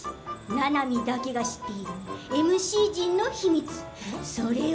ななみだけが知っているＭＣ陣の秘密、それは！